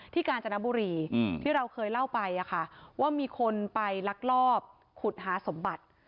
กาญจนบุรีที่เราเคยเล่าไปว่ามีคนไปลักลอบขุดหาสมบัติ